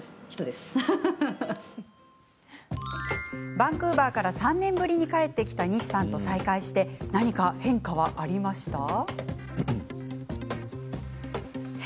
バンクーバーから３年ぶりに帰ってきた西さんと再会して何か変化はあったんでしょうか。